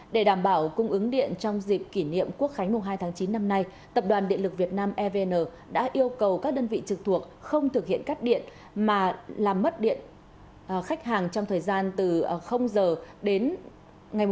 để đảm bảo cung ứng điện trong dịp kỷ niệm quốc khánh mùng hai tháng chín năm nay tập đoàn điện lực việt nam evn đã yêu cầu các đơn vị trực thuộc không thực hiện cắt điện mà làm mất điện khách hàng trong thời gian từ h đến ngày một mươi